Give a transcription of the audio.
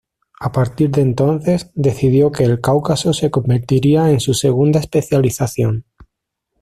A partir de entonces, decidió que el Cáucaso se convertiría en su segunda especialización.